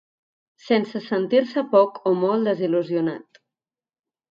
Sense sentir-se poc o molt desil·lusionat